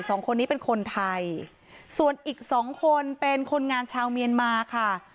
สองคนนี้เป็นคนไทยส่วนอีกสองคนเป็นคนงานชาวเมียนมาค่ะ